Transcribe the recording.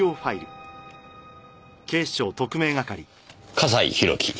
笠井宏樹